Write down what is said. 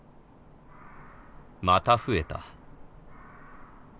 また増えた